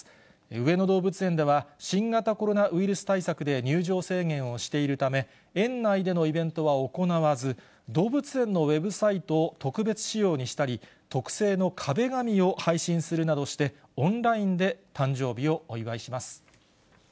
上野動物園では、新型コロナウイルス対策で入場制限をしているため、園内でのイベントは行わず、動物園のウェブサイトを特別仕様にしたり、特製の壁紙を配信するなどして、オンラインで誕生日をお祝いします。